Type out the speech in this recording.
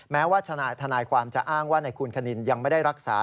แม้ว่าทนายความจะอ้างว่าในคุณคณินยังไม่ได้รักษา